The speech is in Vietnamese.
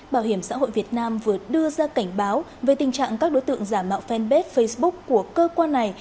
bảo hiểm xã hội việt nam vừa đưa ra cảnh báo về tình trạng các đối tượng giả mạo fanpage facebook của cơ quan này